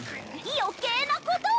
余計なことを！